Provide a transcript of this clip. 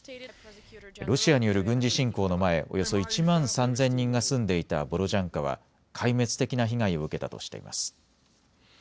ロシアによる軍事侵攻の前、およそ１万３０００人が住んでいたボロジャンカは壊滅的な被害を受けたとしています。